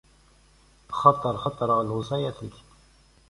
Axaṭer xtaṛeɣ lewṣayat-ik.